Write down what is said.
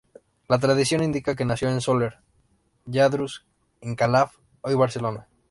La tradición indica que nació en Soler Lladrús, en Calaf, hoy Barcelona.